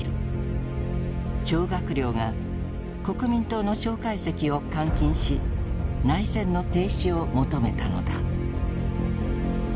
張学良が国民党の蒋介石を監禁し内戦の停止を求めたのだ。